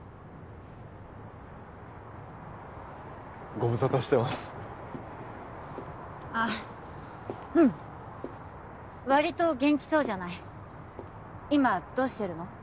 ご無沙汰してますああうんわりと元気そうじゃない今どうしてるの？